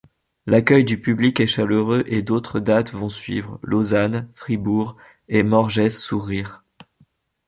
L'accueil du public est chaleureux et d'autres dates vont suivre, Lausanne, Fribourg et Morges-sous-Rire.